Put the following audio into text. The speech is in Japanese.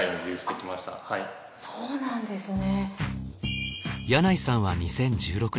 そうなんですね。